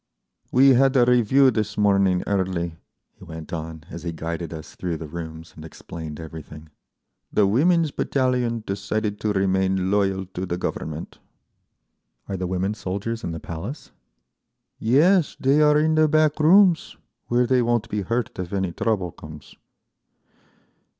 _" "We had a review this morning early," he went on, as he guided us through the rooms and explained everything. "The Women's Battalion decided to remain loyal to the Government." "Are the women soldiers in the Palace?" "Yes, they are in the back rooms, where they won't be hurt if any trouble comes."